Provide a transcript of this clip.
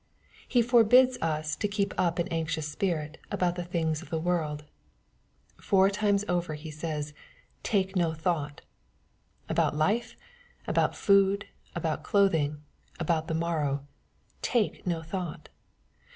He forbids us to keep up an atucious spirit about the things of this world. Four times over He says, " take no thought/' About life, — about food, — about clothing, — ^about the morrow, " take no thought."